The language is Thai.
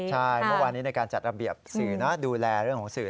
ใช่เมื่อวานนี้ในการจัดระเบียบสื่อนะดูแลเรื่องของสื่อ